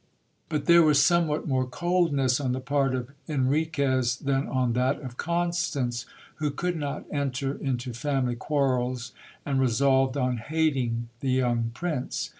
But there was somewhat more coldness on the part of Enriquez than on that of Constance, who could not enter into family quarrels, and resolved on hating the young prince.